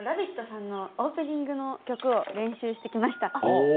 さんのオープニングの曲を練習してきました。